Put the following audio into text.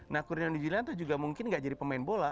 nah kurniawan dwi julianto juga mungkin tidak jadi pemain bola